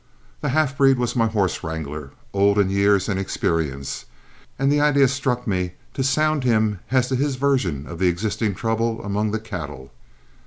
The half breed was my horse wrangler, old in years and experience, and the idea struck me to sound him as to his version of the existing trouble among the cattle.